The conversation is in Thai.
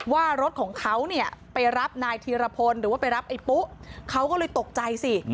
ว่ารถของเขาเนี่ยไปรับนายธีรพลหรือว่าไปรับไอ้ปุ๊เขาก็เลยตกใจสิ